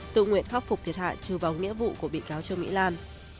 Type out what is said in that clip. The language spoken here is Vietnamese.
tự nguyện khắc phục thiệt hại trừ vào nghĩa vụ của bị cáo trương mỹ lan